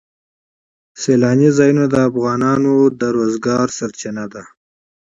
سیلانی ځایونه د افغانانو د معیشت سرچینه ده.